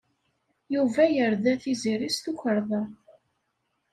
Yuba yerda Tiziri s tukerḍa.